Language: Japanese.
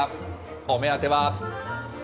お目当ては。